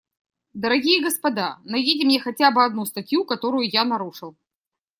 Дорогие господа, найдите мне хотя бы одну статью, которую я нарушил.